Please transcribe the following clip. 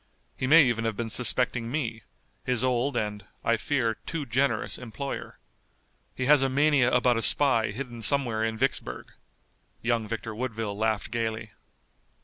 He may even have been suspecting me, his old, and, I fear, too generous employer. He has a mania about a spy hidden somewhere in Vicksburg." Young Victor Woodville laughed gayly.